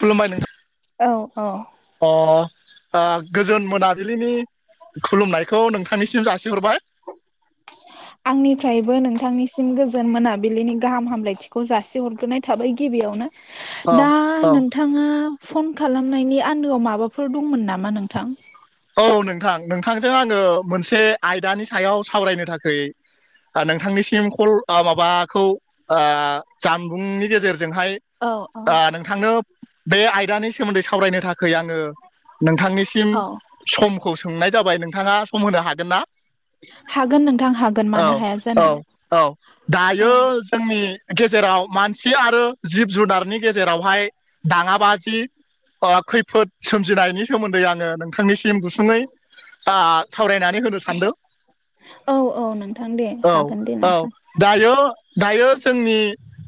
खुलुमबाय नोंथां औ औ। अ ओ गोजोन मोनाबिलिनि खुलुमनायखौ नोंथांनिसिम जासिहरबाय। आंनिफ्रायबो नोंथांनिसिम गोजोन मोनाबिलिनि गाहाम हामलायथिखौ जासि हरग्रोनाय थाबाय गिबियावनो। अ दा औ नों थाङा फन खालामनायनि आन्दोआव माबाफोर दंमोन नामा नोंथां? औ नोंथां नोंथांजों आङो मोनसे आयदानि सायाव सावरायनो थाखै ओ नोंथांनिसिम कल ओ माबाखौ ओ जानबुंनि गेजेरजोंहाय औ औ। ओ नोंथांनो बे आयदानि सोमोन्दै सावरायनो थाखाय आङो नोंथांनिसिम औ समखौ सोंनाय जाबाय नोंथाङा सम होनो हागोन ना? हागोन नोंथां हागोन औ मानो हाया औ जानो। औ औ दायो जोंनि गेजेराव मानसि आरो जिब जुनारनि गेजेरावहाय दाङाबाजि ओ खैफोद सोमजिनायनि सोमोन्दै आङो नोंथांनि टिम दुसुङै आ सावरायनानै होनो सानदों। औ औ नोंथां दे औ हागोन दे औ नोंथां। दायो दायो जोंनि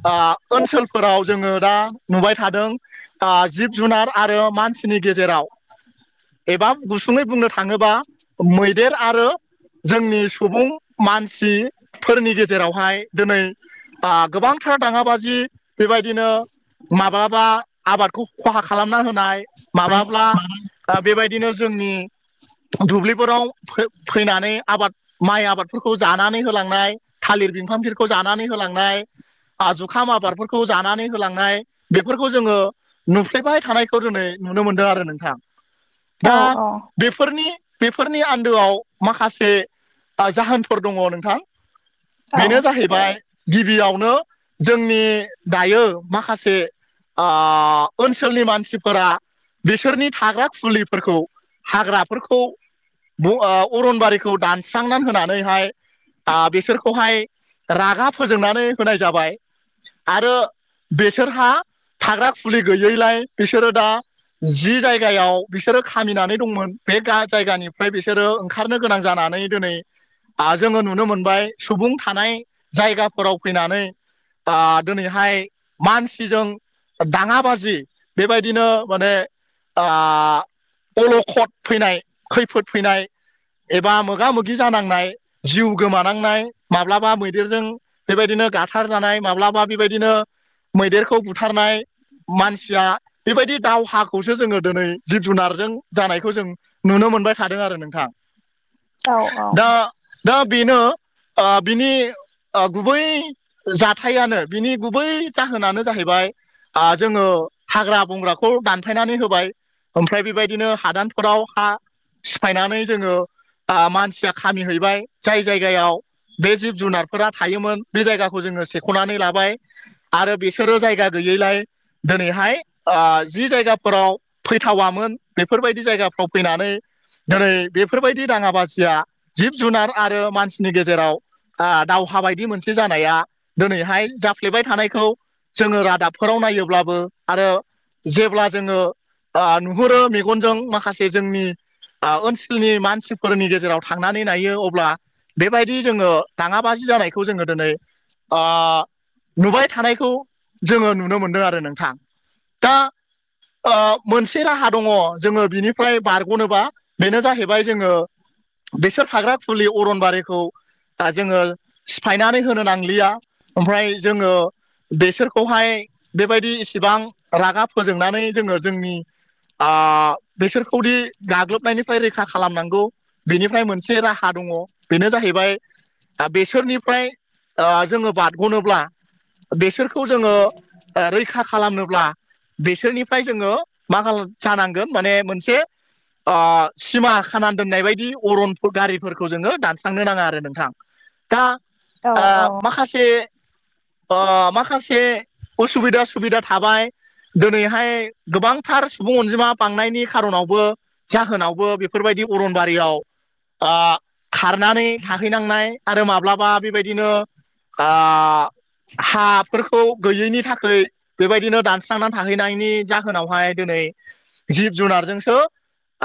आ ओनसोलफोराव जोङो दा नुबाय थादों आ जिब जुनार आरो मानसिनि गेजेराव एबा गुसुङै बुंनो थाङोबा मैदेर आरो जोंनि सुबुं मानसिफोरनि गेजेरावहाय दोनै ओ गोबांथार दाङाबाजि बेबायदिनो माब्लाबा आबादखौ खहा खालामना होनाय माबाब्ला आ बेबायदिनो जोंनि दुब्लिफोराव फै-फैनानै आबाद माइ आबादफोरखौ जानानै होलांनाय थालिर बिफांफोरखौ जानानै होलांनाय जुखाम आबादफोरखौ जानानै होलांनाय बेफोरखौ जोङो नुफ्लेबाय थानायखौ दिनै नुनो मोनदों आरो नोंथां। औ दा औ बेफोरनि बेफोरनि आन्दोआव माखासे आ जाहोनफोर दङ नोंथां। औ बेनो जाहैबाय गिबियावनो जोंनि दायो माखासे आ ओनसोलनि मानसिफोरा बिसोरनि थाग्रा खुलि फोरखौ हाग्राफोरखौ बो ओ अरनबारिखौ दानस्रांनानै होनानैहाय आ बिसोरखौहाय रागा फोजोंनानै होनाय जाबाय। आरो बेसोरहा थाग्रा खुलि गैयैलाय बिसोरो दा जि जायगायाव बिसोरो खामिनानै दंमोन बे गा जायगानिफ्राय बिसोरो ओंखारनो गोनां जानानै दोनै आ जोङो नुनो मोनबाय सुबुं थानाय जायगाफोराव फैनानै आ दोनैहाय मानसिजों दाङाबाजि बेबायदिनो माने ओ अलखद फैनाय खैफोद फैनाय एबा मोगा मोगि जानांनाय जिउ गोमानांनाय माब्लाबा मैदेरजों बेबायदिनो गाथार जानाय माब्लाबा बेबायदिनो मैदेरखौ बुथारनाय मानसिया बेबायदि दावहाखौसो जोङो दोनै जिब जुनारजों जानायखौ जों नुनो मोनबाय थादों आरो नोंथां। औ औ दा दा बेनो ओ बिनि ओ गुबै जाथायानो बिनि गुबै जाहोनानो जाहैबाय ओ जोङो हाग्रा बंग्राखौ दानफायनानै होबाय ओमफाय बेबायदिनो हादानफोराव हा सिफायनानै जोङो ओ मानसिया खामिहैबाय जाय जायगायाव बे जिब जुनारफोरा थायोमोन बे जायगाखौ जोङो सेख'नानै लाबाय आरो बिसोरो जायगा गैयैलाय दिनैहाय ओ जि जायगाफोराव थावामोन बेफोरबायदि जायगाफ्राव फैनानै दिनै बेफोरबायदि दाङाबााजिया जिब जुनार आरो मानसिनि गेजेराव आ दावहा बायदि मोनसे जानाया दिनैहाय जाफ्लेबाय थानायखौ जोङो रादाबफोराव नायोब्लाबो आरो जेब्ला जोङो आ नुहुरो मेगनजों माखासे जोंनि आ ओनसोलनि मानसिफोरनि गेजेराव थांनानै नायो अब्ला बेबायदि जोङो दाङाबाजि जानायखौ जोङो दिनै ओ नुबाय थानायखौ जोङो नुनो मोनदों आरो नोंथां दा ओ मोनसे राहा दङ जोङो बिनिफ्राय बारग'नोबा बेनो जाहैबाय जोङो बिसोर थाग्रा फुलि अरनबारिखौ दा जोङो सिफायनानै होनो नांलिया ओमफ्राय जोङो बेसोरखौहाय बेबायदि इसेबां रागा फोजोंनानै जोङो जोंनि आ बेसोरखौदि गाग्लोबनायनिफ्राय रैखा खालामनांगौ बेनिफ्राय मोनसे राहा दङ बेनो जाहैबाय दा बेसोरनिफ्राय ओ जोङो बारग'नोब्ला बेसोरखौ जोङो रैखा खालामनोब्ला बेसोरनिफ्राय जोङो मा खाला जानांगोन माने मोनसे आ सिमा खाना दोननाय बायदि अरन गारिफोरखौ जोङो दानस्रांनो नाङा आरो नोंथां दा औ आ माखासे ओ माखासे उसुबिदा सुबिदा थाबाय दोनैहाय गोबांथार सुबुं अनजिमा बांनायनि खारनावबो। जाहोनावबो बेफोरबायदि अरनबारियाव खारनानै थाहैनांनाय आरो माब्लाबा बेबायदिनो हाफोरखौ गैयैनि थाखाय बेबायदिनो दानस्रांनानै थाहैनायनि जा होनावहाय दिनै जिब जुनारजोंसो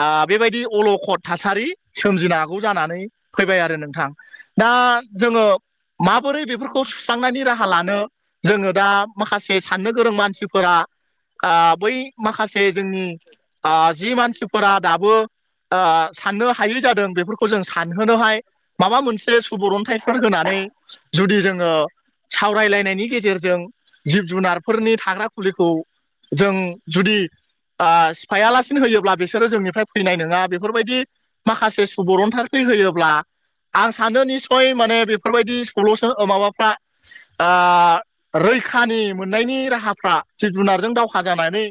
आ बेबायदि अलखद थासारि सोमजिनो हागौ जानानै फैबाय आरो नोंथां दा जोङो माबोरै औ बेफोरखौ सुस्रांनायनि राहा लानो जोङो दा माखासे साननो गोरों मानसिफोरा बै माखासे जोंनि आ जि मानसिफोरा दाबो ओ साननो हायै जादों बेफोरखौ जों सानहोनोहाय माबा मोनसे सुबुरन्थाइफोर होनानै जुदि जोङो सावरायलायनायनि गेजेरजों जिब जुनारफोरनि थाग्रा खुलिखौ जों जुदि आ सिफायालासिनो होयोब्ला बिसोरो जोंनिफ्राय फैनाय नङा बेफोरबायदि माखासे सुबुरनथार फै होयोब्ला आं सानो निस्सय माने बेफोरबायदि सलुसन ओ माबाफ्रा आ रैखानि मोननायनि राहाफ्रा जे जुनारजों दावहा जानानै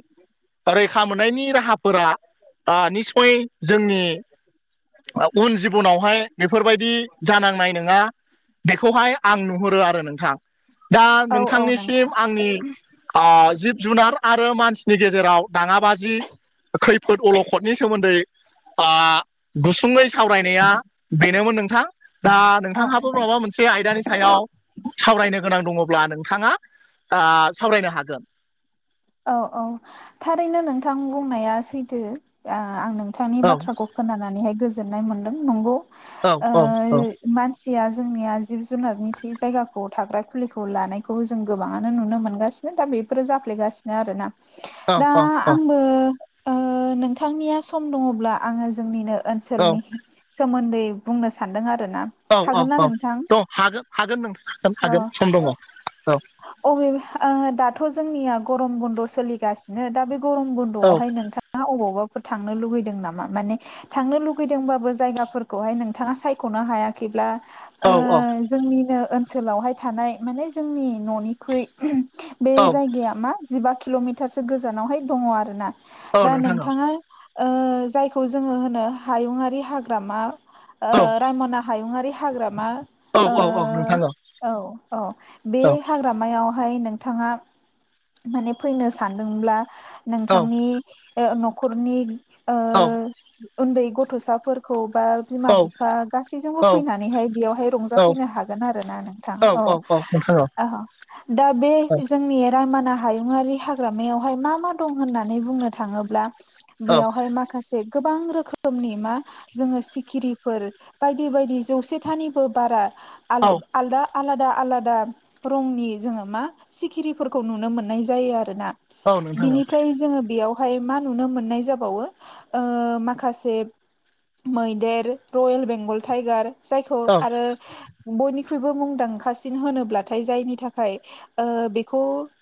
रैखा मोननायनि राहाफोरा ओ निसय जोंनि ओ उन जिबनावहाय बेफोरबायदि जानांनाय नङा बेखौहाय आं नुहुरो आरो नोंथां दा औ औ नोंथां नोंथांनिसिम आंनि आ जिब जुनार आरो मानसि नि गेजेराव दाङाबाजि खैफोद अलखदनि सोमोन्दै आ गुसुङै सावरायनाया बेनोमोन नोंथां दा औ नोंथांहाबो माबा मोनसे आयदानि सायाव सावरायनो गोनां दङब्ला नोंथाङा आ सावरायनो हागोन औ औ थारैनो नोंथां बुंनाया सैथो ओ आं नोंथांनि औ बाथ्राखौ खोनानानैहाय गोजोननाय मोन्दों नंगौ औ ओ औ औ मानसिया जोंनिया जिब जुनारनि थ जायगाखौ थाग्रा खुलिखौ लानायखौबो जों गोबाङानो नुनो मोनगासिनो दा बेफोरो जाफ्लेगासिनो आरोना औ दा औ आंबो नोंथांनिया सम दङब्ला आङो जोंनिनो ओनसोलनि सोमोन्दै बुंनो सान्दों आरोना औ औ हागोन ना औ नोंथां द' हागोन हागोन नों हागोन औ हागोन सम दङ औ अबे दाथ' जोंनिया गरम बुन्द' सोलिगासिनो दा बे गरम बुन्द न'आवहाय नोंथाङा अबावबाफोर थांनो लुुबैदों नामा माने थांनो लुगैदोंबाबो जायगाफोरखौहाय नोंथाङा सायख'नो हायाखैब्ला। औ ओ जोंनिनो ओनसोलावहाय थानाय माने जोंनि न'निख्रै बे औ जायगाया मा जिबा किल'मिटारसो गोजानावहाय दङ आरो ना औ दा नोंथां औ नोंथाङा ओ जायखौ जोङो होनो हायुङारि हाग्रामा ओ औ रायमना हायुंआरि हाग्रामा औ औ अ बे हाग्रामायावहाय नोंथाङा माने फैनो सानदोंब्ला नोंथांनि ओ न'खरनि ओ उन्दै गथ'साफोर खौ बा बिमा बिफा गासैजोंबो फैनानैहाय बेयावहाय रंजाफैनो हागोन आरोना नों दा ओ औ दा बे जोंनि रायमना हायुङारि हाग्रामायावहाय मा मा दं होननानै बुंनो थाङोब्ला बेयावहाय माखासे गोबां रोखो रोखोमनि मा जोङो सिखिरिफोर बायदि बायदि जौसेथानिबो बारा आदा आलादा आलादा रंनि जोङो मा सिखिरि फोरखौ नुनो मोननाय जायो आरोना बिनिफ्राय जोङो बेयाव हाय मा नुनो मोननाय जाबावो ओ माखासे मैदेर रयेल बेंगल टाइगार जायखौ आरो बयनिख्रुइबो मुंदांखासिन होनोब्लाथाय जायनि थाखाय ओ बेख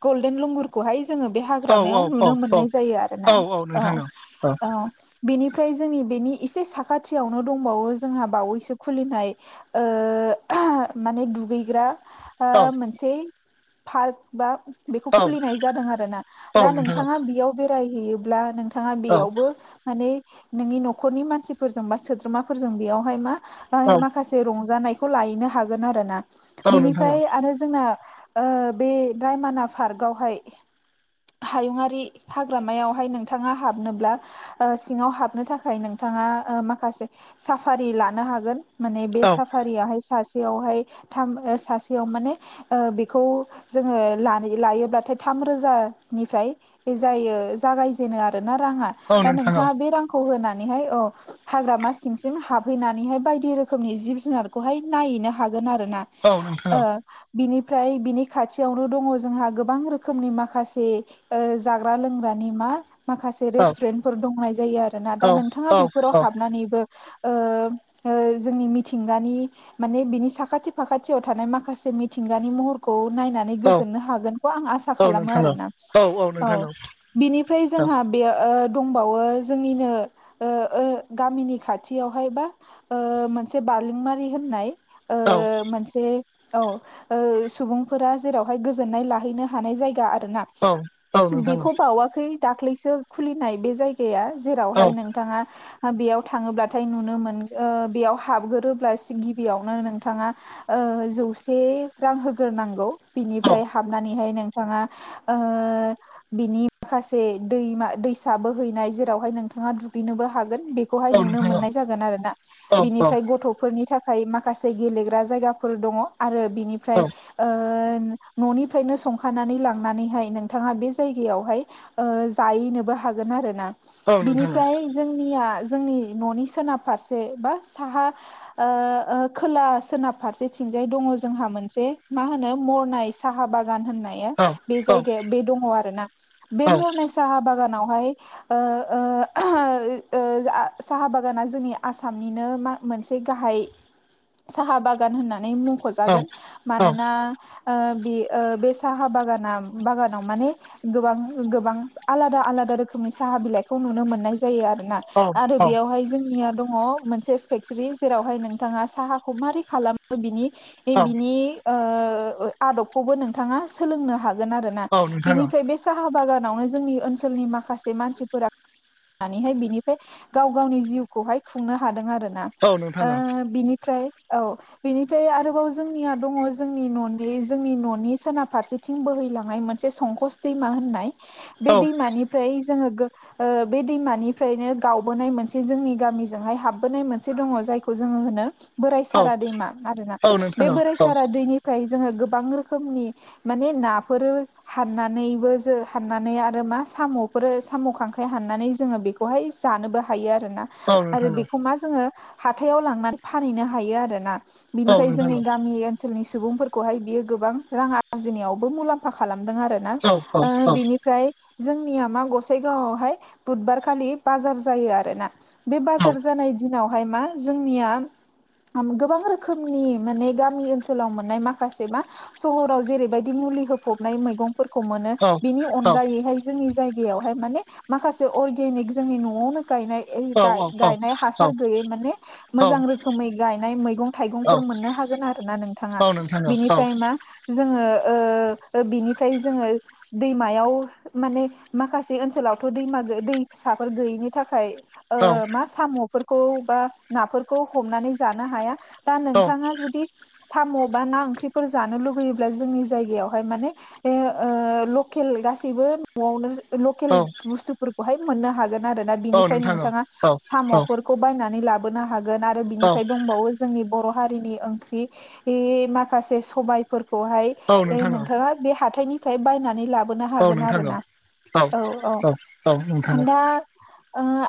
गल्डेन लंगुर हाय जोङो बे हाग्रामायाव औ औ नुनो औ मोननाय जायो आरोना औ औ बेनिफ्राय जोंनि बेनि एसे साखाथियावनो दंबावो जोंहा बावैसो खुलिनाय। ओ ओह माने दुगैग्रा। औ मोनसे पार्क बा बेखौ औ खुलिनाय जादों आरो ना औ दा नोंथां नोंथाङा बेयाव बेरायहैयोब्ला नोंथाङा औ बेयावबो माने नोंनि न'खरनि मानसिफोरजों बा सोद्रोमाफोरजों बेयावहाय मा औ माखासे रंजानायखौ लाहैनो हागोन आरोना औ नोंथां बिनिफ्राय आरो जोंना ओ बे। रायमाना पार्कआवहाय। हायुङारि हाग्रामायावहाय नोंथाङा हाबनोब्ला ओ सिङाव हाबनो थाखाय नोंथाङा ओ माखासे साफारि लानो हागोन। माने बे औ नोंथां औ साफारियाहाय सासेयावहाय थाम सासेयाव माने बेखौ जोङो लाहैयो लायोब्लाथाय थाम रोजानिफ्राय। बे जायो जागायजेनो आरोोना राङा औ दा नोंथां औ नोंथाङा बे रांखौ होनानैहाय औ हाग्रामा सिंसिम हाबहैनानैहाय बायदि रोखोमनि जिब जुनारखौहाय नायहैनो हागोन आरो ना औ बिनिफ्राय बिनि खाथियावनो दङ जोंहा गोबां रोखोमनि माखासे ओ जाग्रा लोंग्रानि मा। माखासे रेस्टुरेन्टफोर दंनाय जायो आरो ना दा नोंथाङा औ बेफोराव हाबनानैबो ओ ओ जोंनि मिथिंगानि माने बिनि साखाथि फाखाथियाव थानाय माखासे मिथिंगानि महरखौ। खौ नायनानै गोजोननो हागोनखौ आं आसा औ नोंथां औ खालामो नोंथां औ नोंथां औ आरोना औ। बिनिफ्राय जोंहा औ बे दंबावो जोंनिनो गामिनि खाथियावहाय बा मोनसे बारलेंमारि होननाय ओ औ मोनसे औ ओ सुबुं। फोरा जेरावहाय गोजोननाय लाहैनो हानाय जायगा आरोना औ औ नोंथां औ नोंथां औ नोंथां औ नोंथां औ नोंथां औ नोंथां औ बेखौ बावा खै दाखलैसो खुलिनाय बे जायगाया जेरावहाय नोंथाङा बेयाव थाङोब्लाथाय नुनो मोन बेयाव हाबगोरोब्ला गिबियावनो नोंथाङा ओ जौसे रां होग्रोनांगौ बिनिफ्राय हाबनानैहाय नों थाङा ओ बिनि माखासे दैमा दैसा बोहैनाय जेरावहाय नोंथाङा दुगैनोबो हागोन बे‌ खौहाय नुनो मोननाय औ जागोन आरोना बिनिफ्राय गथ' फोरनि थाखाय माखासे गेलेग्रा जायगाफोर दङ आरो बिनिफ्राय ओ न'निफ्रायनो संखानानै लांनानैहाय नोंथाङा बे जायगायावहाय ओ जाहैनोबो हागोन आरोना बिनिफ्राय जोंनिया जोंनि न'नि सोनाब फारसे बा साहा ओ खोला सोनाब फारसेथिंजाय दङ जोंहा मोनसे मा होनो मरनाय साहा बागान होननाय। बे जायगाया बे दङ आरोना बे मरनाय साहा बागानावहाय ओ ओ ओ साहा बागाना जोंनि आसामनिनो मा मोनसे गाहाय साहा बागान होननानै मुंख'जागोन मानोना ओ बे साहा बागाना बागानाव माने गोबां गोबां आलादा आलादा रोखोमनि साहा बिलाइखौ नुनो मोननाय जायो आरो। ना आरो बेयावहाय जोंनिया दङ मोनसे फेक्टरि जेरावहाय नोंथाङा साहाखौ मारै खालामो बिनि बिनि ओ आदबखौबो नोंथाङा सोलोंनो हागोन आरो ना बिनिफ्राय बे साहा बागानावनो जोंनि ओनसोलनि माखासे मानसिफोरा नानिहाय बिनिफाय गाव गावनि जिउखौहाय खुंनो हादों आरो ना। ओ बिनिफ्राय औ बिनिफ्राय आरोबाव जोंनिया दङ जोंनि न'नि जोंनि न'नि सोनाब फारसेथिं बोहैलांनाय मोनसे संकस दैमा होननाय बे दैमानिफ्राय जोङो गो ओ बे दैमानिफ्रायनो गावबोनाय मोनसे जोंनि गामिजोंहाय हाबबोनाय मोनसे दङ जाय खौ जोङो होनो बोराय सारा दैमा आरोना बे बोराय सारा दैनिफ्राय जोङो गोबां रोखोमनि माने नाफोर हाननानैबो जो हाननानै आरो मा साम'फोर साम' खांख्राइ हाननानै जोङो बेखौ बेहाय जानोबो हायो आरो ना आरो बेखौ मा जोङो हाथायाव लांनानै फानहैनो हायो आरोना। बिनिफ्राय जोंनि गामि ओनसोलनि सुबुंफोरखौहाय बियो गोबां रां आरजिनायावबो मुलाम्फा खालामदों आरो। ना ओ बिनिफ्राय जोंनिया मा गसाइगावआवहाय बुधबारखालि बाजार जायो आरोना। बे बाजार जानाय दिनाव ओमफाय मा जोंनिया गोबां रोखोमनि माने गामि ओनसो सोलाव मोननाय माखासे मा सहाव जेरैबायदि मुलि होफबनाय मैगं फोरखौ मोनो औ बिनि औ अनगायैहाय जोंनि जाय गायावहाय माने माखासे अर्गेनिक जोंनि न'आवनो गायनाय। औ गाय-गायनाय औ हासार गैयै माने औ मोजां रोखोमै गायनाय मैगं औ थाइगंफोर मोननो हागोन आरो ना नोंथाङा औ नोंथां औ औ बिनिफ्राय मा जोङो ओ बिनिफ्राय जोङो दैमायाव माने माखासे ओनसोलावथ' दैमा दैसाफोर गैयैनि थाखाय औ ओ मा साम'फोरखौ बा नाफोरखौ हमनानै जानो हाया। दा औ नोंथाङा जुदि साम' बा ना ओंख्रिफोर जानो लुुबैयोब्ला जोंनि जायगायावहाय माने ओ लकेल गासैबो न'आवनो लकेल औ बुस्थुफोरखौहाय मोननो हागोन आरोना औ बिनिफ्राय नोंथां औ नोंथाङा औ औ साम'फोर खौ बायनानै लाबोनो हागोन आरो बिनिफ्राय दंबावो जोंनि बर' हारिनि ओंख्रि बि बि माखासे सबायफोरखौहाय औ नोंथां औ नोंथाङा बे हाथायनिफ्राय बायनानै लाब बोनो औ हागोन नोंथां औ आरोना औ औ-औ औ नोंथां दा ओ